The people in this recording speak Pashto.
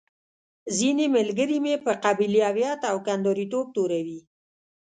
ځينې ملګري مې په قبيلويت او کنداريتوب توروي.